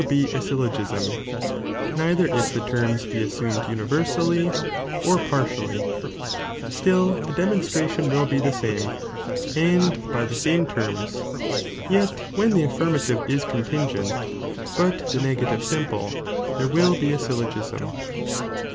126 ABISTOTLE S ihBoiheidon aumetl universally, or partially, still the demon itaBeni stratioii will be the same, and hy the same terms, yet when the affirmative is contingent, but the negative sim ple, there will be a Byllogism.